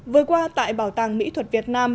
vừa qua tại bảo tàng mỹ thuật việt nam